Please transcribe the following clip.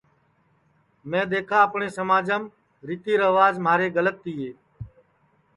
میں دؔیکھا اپٹؔے سماجم کہ ریتی ریواج مہارے گلت تیے